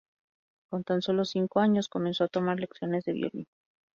Con tan solo cinco años comenzó a tomar lecciones de violín.